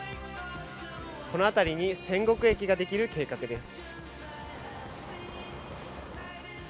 この辺りに千石駅ができる計画です。